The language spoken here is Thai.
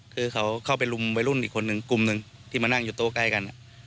คือเขาเข้าไปรุมวัยรุ่นอีกคนนึงกลุ่มหนึ่งที่มานั่งอยู่โต๊ะใกล้กัน